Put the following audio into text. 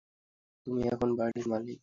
তুমি এখন বাড়ির মালিক?